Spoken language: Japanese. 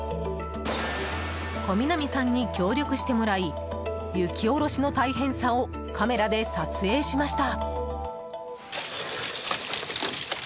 小南さんに協力してもらい雪下ろしの大変さをカメラで撮影しました。